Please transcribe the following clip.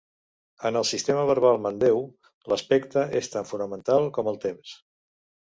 En el sistema verbal mandeu, l'aspecte és tan fonamental com el temps.